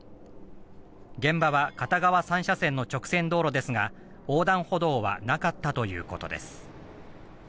現場は片側３車線の直線道路ですが、横断歩道はなかったということです。